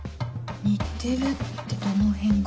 似てるってどのへんが。